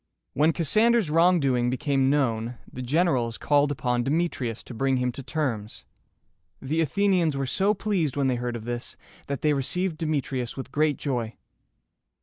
When Cassander's wrongdoing became known, the generals called upon Demetrius to bring him to terms. The Athenians were so pleased when they heard of this, that they received Demetrius with great joy.